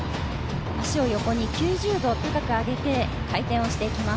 足を横に９０度高く上げて回転していきます。